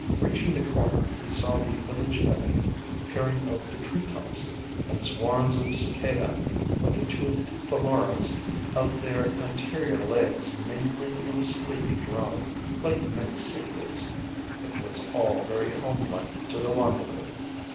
] Reaching the corner he saw the village epi peering over the tree tops, and swarms of cicada, with the toothed famoras of their anterior legs mingling in a sleepy drone, like many cichlids. It was all very home like to the wanderer.